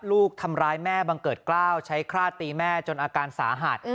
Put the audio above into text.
ลูกทำร้ายแม่บังเกิดกล้าวใช้คราดตีแม่จนอาการสาหัส